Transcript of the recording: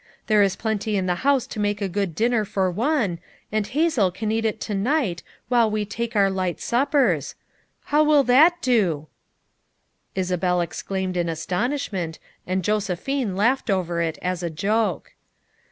There is plenty in the house to make a good dinner for one, and Hazel can eat it to night while we take our light suppers. How will that do f '' Isabel exclaimed in astonishment, and Jose phine laughed over it as a joke.